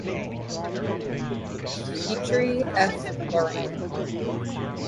Petre, F. Loraine.